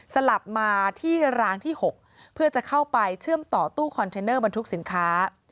สลับมาที่รางที่๖เพื่อจะเข้าไปเชื่อมต่อตู้คอนเทนเนอร์บรรทุกสินค้า